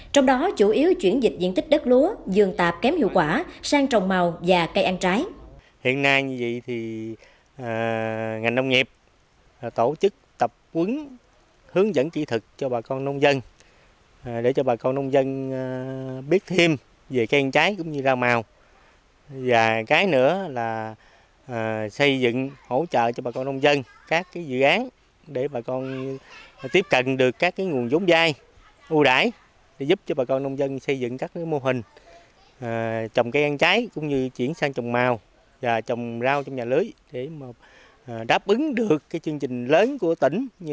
trong đó chủ yếu chuyển dịch diện tích đất lúa dường tạp kém hiệu quả sang trồng màu và cây ăn trái